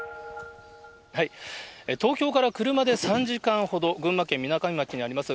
東京から車で３時間ほど、群馬県みなかみ町にあります